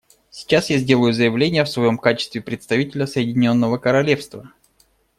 Сейчас я сделаю заявление в своем качестве представителя Соединенного Королевства.